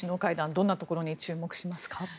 どんなところに注目しますか？